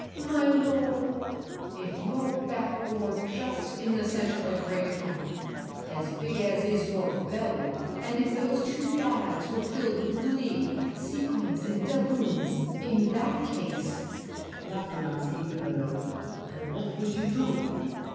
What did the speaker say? My lord, if your back bore Just in the center a great hump, as big As is your belly, and if those two bags Were filled with louis, sequins, and doubloons, In that case— LAFFEMAS (eagerly). Well, what would you do?